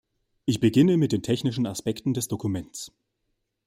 Ich beginne mit den technischen Aspekten des Dokuments.